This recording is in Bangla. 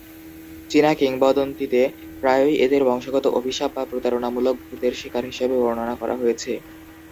চীনা কিংবদন্তিতে প্রায়ই এদের বংশগত অভিশাপ বা প্রতারণামূলক ভূতের শিকার হিসাবে বর্ণনা করা হয়েছে।